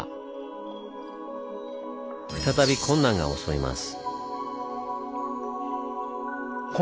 再び困難が襲います。